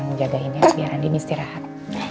kamu jagainnya biar andi mesti rahat